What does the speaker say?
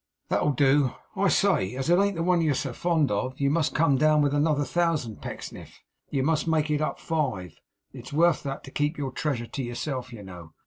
'That'll do. I say! As it ain't the one you're so fond of, you must come down with another thousand, Pecksniff. You must make it up five. It's worth that, to keep your treasure to yourself, you know.